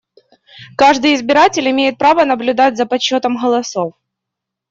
Каждый избиратель имеет право наблюдать за подсчётом голосов.